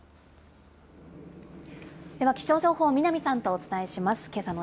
では気象情報、南さんとお伝えします。